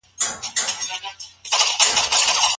قلمي خط د پرمختګ د کچي معلومولو وسیله ده.